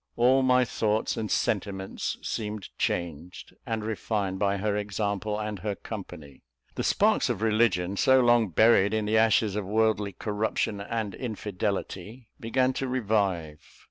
All my thoughts and sentiments seemed changed and refined by her example and her company. The sparks of religion, so long buried in the ashes of worldly corruption and infidelity, began to revive.